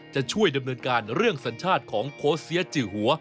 จะช่วยดำเนินการเรื่องสัญชาติของโค้ชเซียจือหัว